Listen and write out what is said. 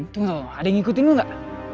tunggu tunggu ada yang ngikutin lo gak